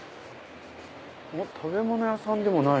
食べ物屋さんでもない。